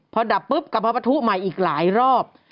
พอดับปุ๊บกลับมาประทุใหม่อีกหลายรอบ